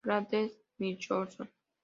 Cráter Nicholson